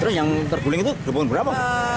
terus yang terguling itu dukung berapa